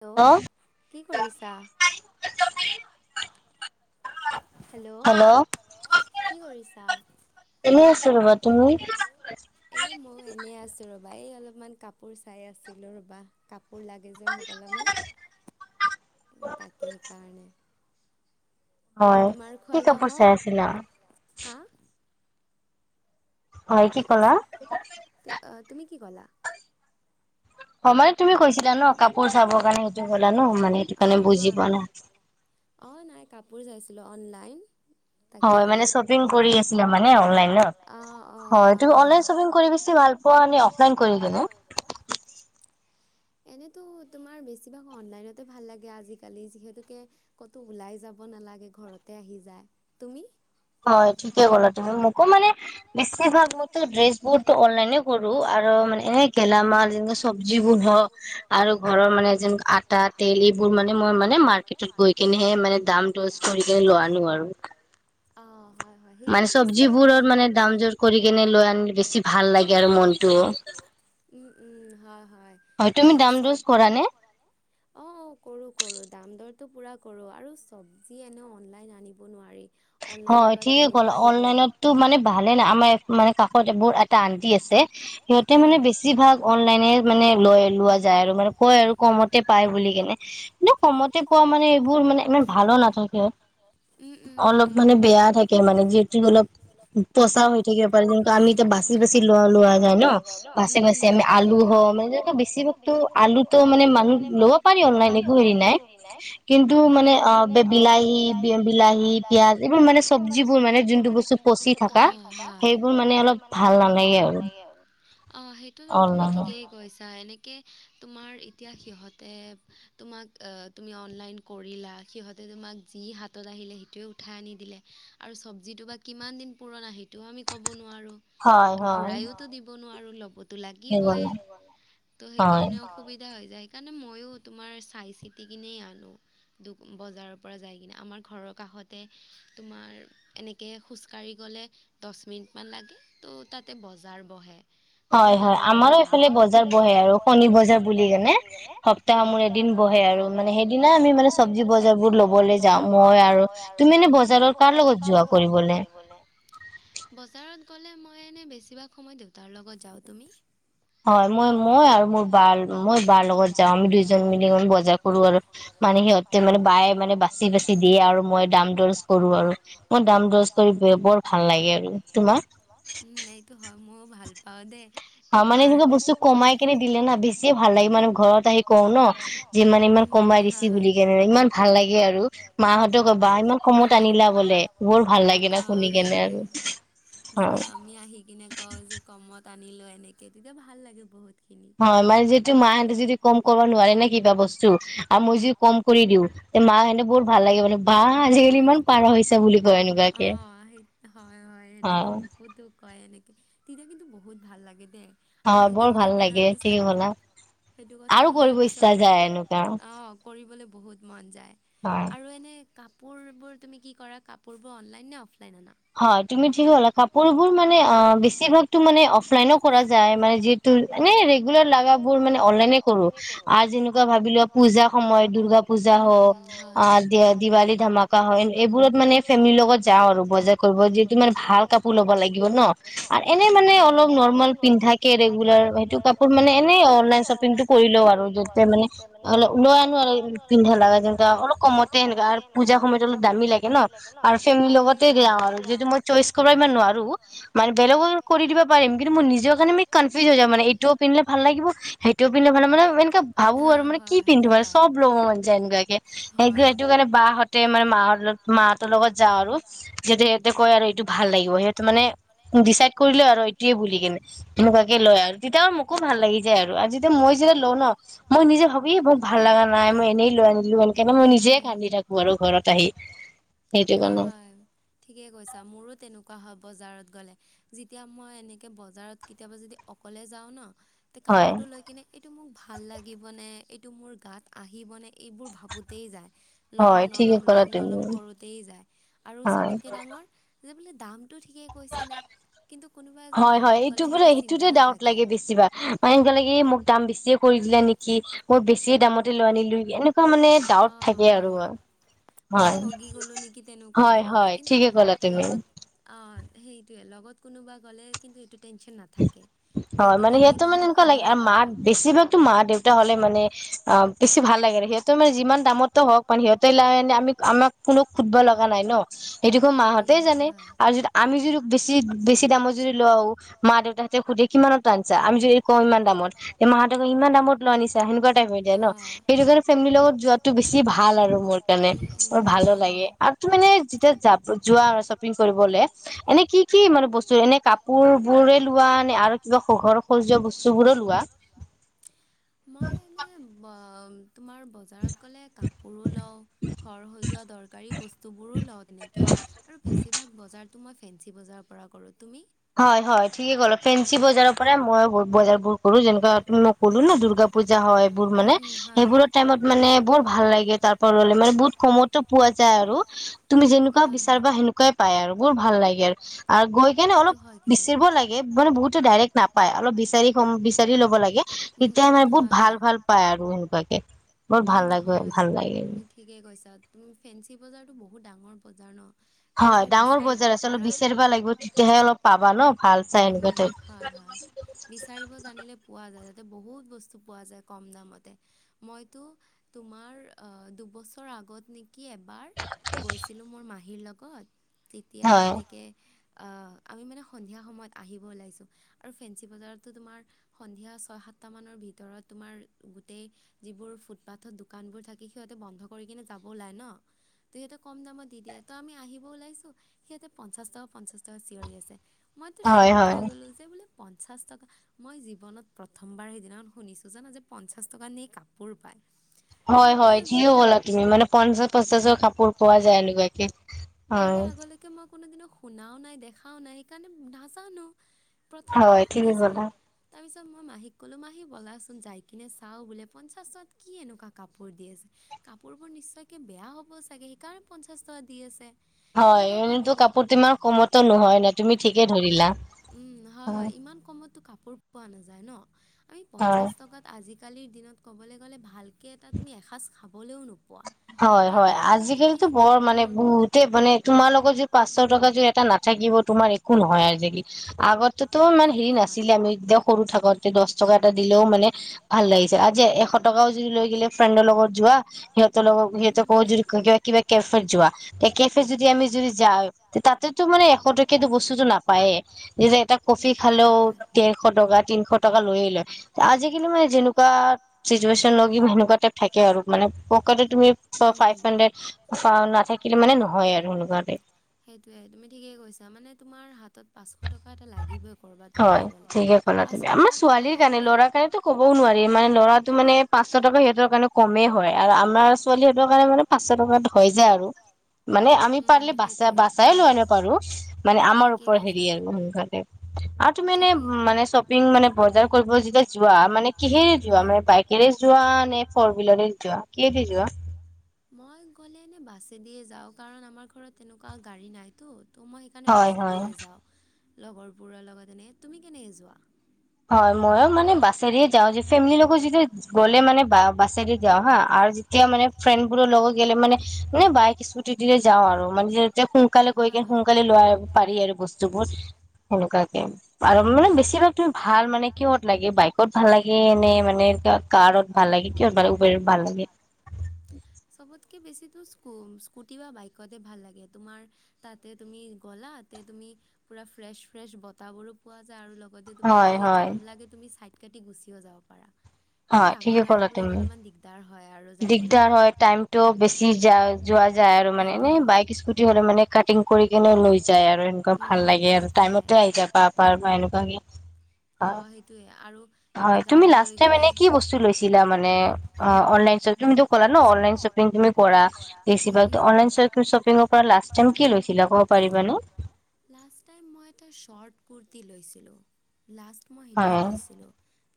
Hello কি কৰিছা? Hello! কি কৰিছা? এনে আছো ৰ'বা, তুমি? এই ময়ো এনেই আছোঁ ৰ'বা, এই অলপমান কাপোৰ চাই আছিলোঁ ৰ'বা। কাপোৰ লাগে যে মোক অলপমান, তাকেই সেইকাৰণে। তোমাৰ খোৱা লোৱা হ'ল? হা? কি কৈছ, তুমি কি ক'লা? সমানে তুমি কৈছিলা ন, কাপোৰ চাবৰ কাৰণে সেইটো কলা ন, মানে সেইটো কাৰণে বুজি পোৱা নাই। অ নাই কাপোৰ চাইছিলোঁ অনলাইন। তাকে আৰু অ অ হয় হয়। বেছি ভাল পোৱা ন অফলাইন কৰি কিনে? এনেইতো তোমাৰ বেছিভাগ অনলাইনতে ভাল লাগে আজিকালি যিহেতুকে ক'তো ওলাই যাব নালাগে, ঘৰতে আহি যায়। তুমি? হয় ঠিকে ক'লা তুমি, মোকো মানে বেছিভাগ মইটো ড্ৰেছবোৰতো অনলাইন কৰো আৰু মানে, এনে গেলামাল যেনে চব্জ বোৰ হওক আৰু ঘৰৰ মানে যেনে আটা, তেল এইবোৰ মানে মই মানে মাৰ্কেটত গৈ কিনেহে মানে দাম দচ কৰি কিনে লোৱাল আৰু। অ। মানে চব্জিবোৰৰ মানে দাম জোৰ কৰি কেনে লৈ আন, বেছি ভাল লাগে আৰু মনটো। উম উম হয় হয়। হয় তুমি দাম দজ কৰা নে? অ কৰোঁ কৰোঁ দাম দৰটো পূৰা কৰোঁ, আৰু চব্জি এনেও অনলাইন আনিব নোৱাৰি। হয় ঠিক অনলাইনতো মানে ভালে নাই, আমাৰ মানে কাষত এবু এটা আন্টি আছে সিহঁতে মানে বেছি ভাগ অনলাইনে মানে লৈ লোৱা যায় আৰু মানে কয় আৰু কমতে পায় বুলি কেনে এই কমতে পোৱা মানে এইবোৰ মানে ভালো [unintelligible] উম উম হ মানে বেয়া থাকে মানে যিহেতু অলপ পচাও হৈ থাকিব পাৰে, কিন্তু আমি এতিয়া বাচি বাচি ল লোৱা যায় ন বাছি বাছি আমি আলু হওঁ মানে তেনেকুৱা বেছিভাগতো আলুতো মানে মানুহ ল'ব পাৰি অনলাইন একো হেৰি নাই কিন্তু মানে অ বে-বিলাহী বিলাহী, পিয়াজ এইবোৰ মানে এইবোৰ মানে চবজি বোৰ মানে যোনটো বস্তু পকী থকা সেইবোৰ মানে অলপ ভাল নালাগে আৰু। অ সেইটো তুমি ঠিকেই কৈছা। এনেকে তোমাৰ এতিয়া সিহঁতে তোমাক তুমি অনলাইন কৰিলা, সিহঁতে তোমাক যি হাতত আহিলে সেইটোৱে উঠাই আনি দিলে। আৰু চব্জিটো বা কিমান দিন পুৰণা সেইটোও আমি ক'ব নোৱাৰোঁ ঘূৰাইওতো দিব নোৱাৰো ল'বতো লাগিবই, ত' সেইকাৰণে অসুবিধা হৈ যায়। সেইকাৰণে মইয়ো তোমাৰ চাই-চিতি কিনে আনো। দু বজাৰৰ পৰা যাই কিনে আমাৰ ঘৰৰ কাষতে তোমাৰ এনেকে খোজকাঢ়ি গ'লে দছ মিনিটমান লাগে ত' তাতে বজাৰ বহে। ত'আমি তাৰে পৰাই আনো হয় আমাৰ ও এইফালে বজাৰ বহে আৰু শনী বজাৰ বুলি কিনে অ'সপ্তাহ মোৰ এদিন বহে আৰু মানে সেইদিনা আমি মানে চব্জি বজাৰ বোৰ লবলে যাওঁ মই আৰু তুমি এনে বজাৰ কাৰ লগত যোৱা কৰিবলে? বজাৰত গ'লে মই এনে বেছিভাগ সময় দেউতাৰ লগত যাওঁ তুমি? হয় মই- মই আৰু মোৰ বা মই বাৰ লগত যাওঁ আমি দুইজন মিলি [unintelligible] বজাৰ কৰো আৰু মানে সিহঁতে মানে বায়ে মানে বাচি, বাচি দিয়ে আৰু মই দাম দৰ কৰো আৰু মই দাম দৰজ কৰি বৰ ভাল লাগে আৰু তোমাৰ? এইটো হয় মইও ভাল পাওঁ দে। অ' মানে এনেকুৱা বস্তু কমাই কিনে দিলে না বেছিয়ে ভাল লাগে মানে ঘৰত আহি কওঁ ন' যে ইমান, ইমান কমাই দিছি বুলি কেনে ইমান ভাল লাগে আৰু মাহঁতেও কয় বা ইমান কমত আনিলা বোলে বৰ ভাল লাগে ন, শুনি কেনে আৰু যেতিয়া আমি আহি কিনে কওঁ যে কমত আনিলোঁ এনেকে তেতিয়া ভাল লাগে বহুত হয় মানে যিহেতু মাহঁতে যদি কম কৰব নোৱাৰে নে কিবা বস্তু আৰু মই যদি কম কৰি দিওঁ তে মা তে বহুত ভাল লাগে মানে বাহ আজিকালি ইমান পাৰ হৈছা বুলি কয় এনেকুৱাকে। অ' [unintelligible] হয়, হয় এ দেকে মোক কয় এনেকে তেতিয়া কিন্তু বহুত ভাল লাগে দে। অ' বৰ ভাল লাগে ঠিকে ক'লা। সেইটো কথা শুনাৰ পিছত অ' কৰিবলৈ বহুত মন যায়। [unintelligible] আৰু এনেই কাপোৰবোৰ তুমি কি কৰা কাপোৰবোৰ অনলাইন নে অফলাইন আনা? হয় তুমি ঠিকে ক'লা কাপোৰবোৰ মানে অ' বেছিভাগতো মানে অফলাইনও কৰা যায় মানে যি তোৰ এনে ৰেগুলাৰ লাগা বোৰ মানে অনলাইনে কৰো আ যেনেকুৱা ভাবি লোৱা পুজা সময়ত দুৰ্গা পূজা হও আ দিয়া দিৱালী ধমাকা হয় এইবোৰত মানে ফেমিলিৰ লগত যাওঁ কৰিব যিহেটোমানে ভাল কাপোৰ লব লাগিব ন' আৰু এনে মানে অলপ নৰ্মেল পিন্ধা কে ৰেগুলাৰ সেইটো কাপোৰ মানে এনেই অনলাইন শ্বপিংটো কৰি লও আৰু যাতে মানে উলাই আনো পিন্ধা লাগা যেনকা অলপ কমতে সেনেকা আৰু পূজা সময়ত অলপ দামী লাগে ন' আৰু ফেমিলি লগতে যাওঁ যিহেতু মই চইচ কৰবা ইমান নোৱাৰো মানে বেলেগৰ কৰি দিব পাৰিম কিন্তু মোৰ নিজৰ কাৰণে মই কনফিউজ হৈ যাও মানে এইটো পিন্ধিলে ভাল লাগিব, সেইটোও পিন্ধে ভাল [unintelligible] মানে এনেকা ভাবো আৰু মানে কি পিন্ধো আৰ চব ল'ব মন যায় এনেকুৱাকে। সেগ্ৰে সেইটো কাৰণে বাহহতে মানে মাহতৰ- মাহতৰ লগত যাওঁ আৰু [unintelligible] তে কয় আৰু এইটো ভাল লাগিব সেটো মানে ডিচাইড কৰিলও আৰু এইটোৱে ভাল বুলি কেনে। এনেকুৱাকে লয় আৰু তেতিয়া আৰু মোকো ভাল লাগি যায় আৰু আৰ যিতিয়া মই যেতিয়া লওঁ ন মই নিজে ভাবি মোক ভাল লাগা নাই মই এনেই লৈ আনিলো সেইকাৰনে মই নিজে কান্দি থাকো আৰু ঘৰত আহি সেইটো কাৰণে। [unintelligible] ঠিকে কৈছা মোৰো তেনেকুৱা হয় বজাৰত গ'লে। যেতিয়া মই এনেকে বজাৰত কেতিয়াবা যদি অকলে যাওঁ ন' তে কাপোৰটো লৈ কেনে এইটো মোক লাগিবনে এইটো মোৰ গাত আহিবনে এইবোৰ ভাব বোতেই যায় লম নলম, লম নলম কৰোঁতেই যায় আৰু চবতকে ডাঙৰ যে বোলে দামটো ঠিকেই কৈছেনে কিন্তু কোনোবা এজন লগত গ'লে সেইটো চিন্তা নাথাকে। জীভা অ এনেকা লাগে মোক দাম বেছিয়ে কৰি দিলে নেকি? মোৰ বেছিয়ে দামত- দি লৈ আনিলো নিকি? এনেকুৱা মানে ডাউট থাকে আৰু আ। মই ঠগি গলো নেকি তেনেকুৱা অনুভৱ হয়, কিন্তু লগত- অঁ সেইটোৱে লগত কোনোবা গ'লে কিন্তু এইটো টেনচন নাথাকে। হয়, মানে সিহঁত মানে এনেকুৱা লাগে মা বেছিভাগতো মা দেউতা হলে মানে অঁ- বেছি ভাল লাগে আৰু সিহঁতে মানে যিমান দামতো হওক মানে সিহঁতে লৈ আনিলে আমি আমাক কোনো সুধিব লগা নাই ন। এইটো বাৰু মাহঁতে জানে আৰু যদি আমি যদি বেছি বেছি দামত যদি লওঁ- মা দেউতাহঁতে সুধে কিমানত আনিছা? আমি যদি কওঁ ইমান দামত। এ মাহঁতে কয় ইমান দামত লৈ আনিছা, সেনেকুৱা টাইপ হয়। ছে ন, সেইটো কাৰণে ফেমিলি লগত যোৱাটো বেছি ভাল আৰু মোৰ কাৰণে মোৰ ভালো লাগে। আৰু- মানে যেতিয়া যা যোৱা আৰু শ্বপিং কৰিবলে এনে কি কি মানে বস্তু এনে কাপোৰ- বোৰে লোৱা নে আৰু কিবা ঘৰ সজোৱা বস্তু বোৰো লোৱা? মই এনে ব- তোমাৰ বজাৰত গ'লে কাপোৰো লওঁ। ঘৰ সজোৱা দৰকাৰী বস্তুবোৰো লওঁ তেনেকে, আৰু বেছিভাগ বজাৰ- তো মই ফেঞ্চি বজাৰৰ পৰা কৰোঁ, তুমি? হয় হয় ঠিকে কৰা, ফিন্সি বজাৰৰ পৰাই ময়ো বজাৰ বোৰ কৰো, যেনেকুৱা তুমি মই ক'লো ন দুৰ্গা- পূজা হয় এইবোৰ মানে, সেইবোৰৰ টাইমত মানে বৰ ভাল লাগে তাৰ পৰা ল'লে মানে বহুত কমত- তো পোৱা যায় আৰু, তুমি যেনেকুৱা বিচাৰিবা সেনেকুৱাই পাই আৰু বৰ ভাল লাগে আৰু, আৰু গৈ কেনে অলপ- বিচাৰিব লাগে মানে বহুতে ডাইৰেক্ট নাপায়, অলপ বিচাৰি বিচাৰি ল'ব লাগে তেতিয়াহে মানে বহুত ভাল ভাল- পায় আৰু সেনেকুৱাকে, বৰ ভাল লাগে ভাল লাগে। ঠিকেই কৈছা তুমি ফেঞ্চি বজাৰটো বহুত ডাঙৰ বজাৰ ন। হয়, ডাঙৰ বজাৰ আছে অলপ বিচাৰিবা লাগিব, তেতিয়াহে অলপ পাবা ন ভাল চাই এনেকুৱা- হয় হয়, বিচাৰিব জানিলে পোৱা যায় তাতে বহুত বস্তু পোৱা যায়। কম দামতে, মইতো তোমাৰ দুবছৰ আগত নে- কি এবাৰ গৈছিলোঁ মোৰ মাহীৰ লগত তেতিয়া এনেকে- অঁ আমি মানে সন্ধিয়া সময়ত আহিব ওলাইছোঁ। আৰু ফেঞ্চি বজাৰততো তোমাৰ সন্ধিয়া ছয় সাতটা মানৰ ভিতৰত তোমাৰ গোটেই- যিবোৰ ফুটপাথত দোকানবোৰ থাকে সিহঁতে বন্ধ কৰি কিনে যাব ওলায় ন। যিহেতু কম দামত দি দিয়ে ত আমি আহিব ওলাইছো- সিহঁতে পঞ্চাশ টকা পঞ্চাশ টকা চিঞৰি আছে। মইতো চক হৈ গ'লো যে বোলে পঞ্চাশ টকা মই জীৱনত প্ৰথমবাৰ সেইদিনাখন শুনিছোঁ। নাজানো জানা যে পঞ্চাশ টকা নি কাপোৰ পায়। হয় হয় ঠিকে কলা তুমি, মানে পঞ্চাশ পঞ্চাশৰ কাপোৰ পোৱা যায় এনেকুৱাকে। তাৰে আগলৈকে মই কোনোদিনেও শুনাও নাই দেখাও নাই সেইকাৰণে নাজানো। প্ৰথমবাৰ শুনিছো, তাৰ পিছত মই মাহীক কলো মাহী বলাচো- যাই কিনে চাওঁ বোলে, পঞ্চাশ টকাত কি এনেকুৱা কাপোৰ দি আছে? কাপোৰবোৰ নিশ্চয়কে বেয়া হ'ব চাগে? সেইকাৰণে পঞ্চাশ টকাত দি আছে। হয়, এনেইতো কাপোৰতো ইমান কমতো নহয়, নে তুমি- উম' হয় হয়, ইমান কমততো কাপোৰ- পোৱা নাযায় ন, আমি পঞ্চাশ টকাত আজিকালিৰ দিনত ক'বলে গ'লে ভাল- কে এটা তুমি এসাঁজ খাবলৈও নোপোৱা। হয় হয়, আজি কালিতো বৰ মানে বহুতেই মানে তোমাৰ লগত যদি পাঁচশ টকা এটা নাথাকিব তোমাৰ- একো নহয় আজিকালি, আগতেতো ইমান হেৰি নাছিলে আমি যেতিয়া সৰু থাকোঁতে দশ টকা এটা দিলেও- ভাল লাগিছে। আজি এশ টকাও যদি লৈ গিলে ফ্ৰেণ্ডৰ লগত যোৱা, সিহঁত- সিহঁতক কৈ যদি কে কিবা কেফি ত যোৱা, কেফি ত যদি আমি যাও তাত যিহেতু মানে এশ টকাতো বস্তুতটো নাপায়েই, এই যে এটা কফি খালেও ডেৰশ টকা তিনশ টকা লৈ আহি লয়। আজিকালি মানে যেনে কোৱা চিটুৱেচন লগ দিম সেনেকুৱা টাইপ থাকে আৰু মানে তুমি ফ ফাইভ হানডেড ফাউন নাথাকিলে মানে নহয় আৰু এনে কোৱা টাইপ। সেইটোৱে তুমি ঠিকেই কৈছা মানে তোমাৰ হাতত পাঁচশ টকা এটা লাগিবই হয় ঠিকেই কলা তুমি। আমাৰ ছোৱালীৰ কাৰণে ল'ৰাৰ কাৰণে তো ক'বও নোৱাৰি মানে ল'ৰাটো মানে পাঁচশ টকা সিহঁতৰ কাৰণে কমেই হয় আৰু আমাৰ ছোৱালী হতৰ কাৰণে মানে পাঁচশ টকাত হৈ যায় আৰু। মানে আমি পাৰিলে বাচ বাচাই লোৱা নাপাৰো মানে আমাৰ ওপৰত হেৰি আৰু সকালে। আৰু তুমি এনে মানে শ্বপিং মানে বজাৰ কৰিব যেতিয়া যোৱা মানে কিহেৰে যোৱা মানে বাইক ৰে যোৱা নে ফ'ৰ হইলাৰে যোৱা কিদি যোৱা? মই গ'লে এনে বাছে দিয়ে যাওঁ কাৰণ আমাৰ ঘৰত তেনেকুৱা গাড়ী নাইতো ত মই কাৰণে বাছে দিয়ে যাওঁ লগৰবোৰৰ লগত এনে, তুমি কেনেকৈ যোৱা? হয় ময়ো মানে বাছেৰেয় যাওঁ যে ফেমিলিৰ লগত যেতিয়া গ'লে মানে বা বাছেৰে যাওঁ হা আৰু যে এতিয়া মানে ফেণ্ডবোৰ লগত গেলে মানে মনেনবাইক স্কুটি দিলে যাওঁ আৰু মানে তেতিয়া সোনকালে গৈ কিনে সোনকালে লৈ পাৰি আৰু বস্তুবোৰ সেনেকুৱাকে আৰু মানে বেছিভাগ ভাল মানে কিহত লাগে বাইকত ভাল লাগে নে মানে কাৰত ভাল লাগে কিহত ভাল উবেৰত ভাল লাগে? চবতকে বেছি তো স্কু-স্কুটি বা বাইকতে ভাল লাগে তোমাৰ তাতে তুমি গ'লা তে তুমি পুৰা ফ্ৰেছ ফ্ৰেছ বতাহ বোৰো পোৱা যায় আৰু লগতে তোমাৰ যদি জাম লাগে তুমি চাইট কাটি গুচিও যাব পাৰা। হয় ঠিকেই ক'লা তুমি। দিগদাৰ হয় টাইমটো বেছি যা যোৱা যায় আৰু মানে এনে বাইক স্কুটি হ'লে মানে কাটিং কৰি কিনে লৈ যায় আৰু এনেকুৱা ভাল লাগে আৰু টাইমতে আহি যায় অ সেইটোয়ে আৰু হয় তুমি লাষ্ট টাইম এনে কি বস্তু লৈছিলা মানে অ অনলাইন ট তুমিটো কলা ন অনলাইন শ্বপিং তুমি কৰা বেছিভাগ, ত অনলাইন শ্বপিঙৰ পৰা লাষ্ট টাইম কি লৈছিলা ক পাৰিবা নো? লাষ্ট টাইম মই এটা চট কুৰ্তি লৈছিলোঁ, লাষ্ট মই সেইটোৱে লৈছিলোঁ।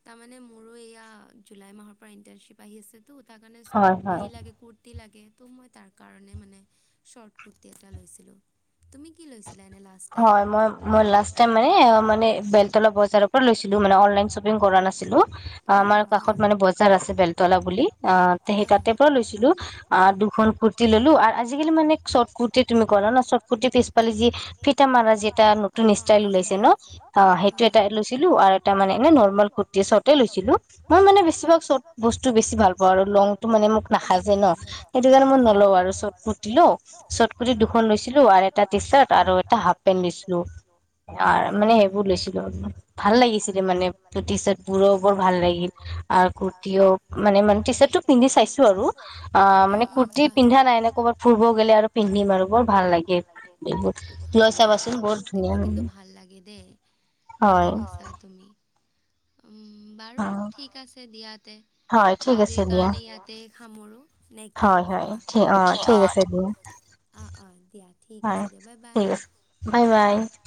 তাৰমানে মোৰো এয়া জুলাই মাহৰ পৰা ইণ্টাৰ্ণশ্বিপ আহি আছেতো তাৰ কাৰণে সেই লাগে ক তি লাগে টো মই তাৰ কাৰণে মানে শৰ্ট কুুৰ্তি এটা লৈছিলো। তুমি কি লৈছিলা এনে লাষ্ট হয় মই মই লাষ্ট টাইম মানে মানে বেলতলা বজাৰৰ পৰা লৈছিলো মানে অনলাইন শ্বপিং কৰা নাছিলো আমাৰ কাষত মানে বজাৰ আছে বেলতলা বুলি অ সেই তাতে পৰা লৈছিলো অ দুখন কুৰতি ললো আজিকালি মানে শৰ্ট কুৰ্তি তুমি কৰা ন চৰ্ট কুৰ্তি পিছ ফালে যি ফিঠা মাৰা যে এটা নতুন ইষ্টেপ ওলাইছে ন অ সেইটো এটা লৈছিলো আৰু এটা এ নৰ্মেল কৰ্তি চ্বতে লৈছিলো। মই মানে বেছিভাগ চত বস্তু বেছি ভাল পাওঁ আৰু লংতটো মানে মোক নাখাজে ন। সেইটো কাৰণে মই নলওঁ আৰু শৰ্ট কুৰটি লৈও শৰ্ট কৰ্টি দুখন লৈছিলো আৰু এটা টি চাৰ্ট আৰু আৰু এটা হাফ পেণ্ট দিছিলো। অ মানে সেইবোৰ লৈছিলো ভাল লাগিছিলে মানে চাটবোৰ বৰ ভাল লাগিল। আৰু কুৰ্তিও মানে মে টি চাৰ্টটো পিন্ধি চাইছো আৰু অ মানে কুৰ্তি পিন্ধা নাই এনেক কব ফুৰিব গ'লে আৰু পিন্ধিম আৰু বৰ ভাল লাগে এইবোৰ লৈ চাবাচোন বৰ ধুনীয়া ভাল লাগে দেই! ঠিকে কৈছা তুমি। উম, বাৰু ঠিক আছে দিয়া, ইয়াতে। আজিৰ কাৰণে ইয়াতে সামৰো। নে কি কোৱা? [unintelligible] অ' অ'! দিয়া, ঠিক আছে দিয়া, বাই-বাই।